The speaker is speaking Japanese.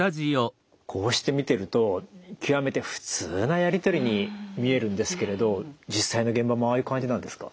こうして見てると極めて普通なやり取りに見えるんですけれど実際の現場もああいう感じなんですか？